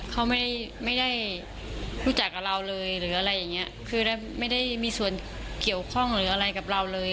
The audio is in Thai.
เขาไม่ได้รู้จักกับเราเลยไม่ได้มีส่วนเกี่ยวข้องอะไรกับเราเลย